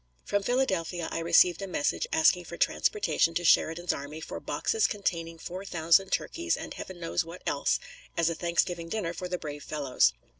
From Philadelphia I received a message asking for transportation to Sheridan's army for "boxes containing four thousand turkeys, and Heaven knows what else, as a Thanksgiving dinner for the brave fellows."